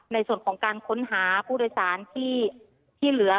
ในส่วนของการค้นหาผู้โดยสารที่เหลือ